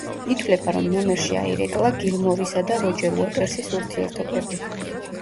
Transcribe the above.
ითვლება, რომ ნომერში აირეკლა გილმორისა და როჯერ უოტერსის ურთიერთობები.